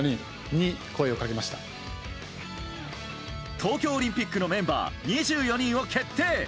東京オリンピックのメンバー２４人を決定。